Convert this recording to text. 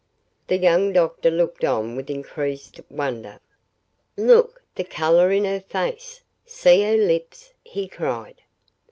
The young doctor looked on with increased wonder. "Look! The color in her face! See her lips!" he cried.